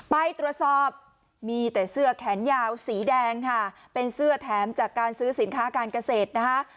ไปตรวจสอบมีแต่เสื้อแขนยาวสีแดงค่ะเป็นเสื้อแถมจากการซื้อสินค้าการเกษตรนะคะ